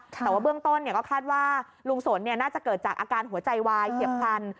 แต่ว่าเบื้องต้นก็คาดว่าลุงสนน่าจะเกิดจากอาการหัวใจวายเฉียบพลัน